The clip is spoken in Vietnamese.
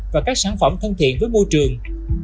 và các sản phẩm thân thiện với môi trường